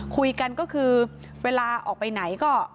คุยกันก็คือเวลาออกไปไหนก็